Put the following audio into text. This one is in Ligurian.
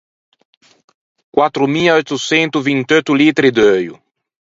Quattro mia eutto çento vint’eutto litri d’euio.